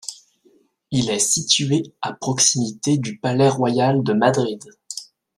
Il est situé à proximité du Palais royal de Madrid.